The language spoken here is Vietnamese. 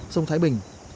sông thái bình